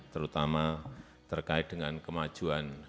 terutama terkait dengan kemajuan